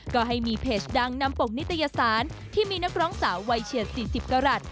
ก็ให้มีเพจดังนำปกนิตยสารที่มีนักร้องสาววัยเฉียด๔๐กรัฐ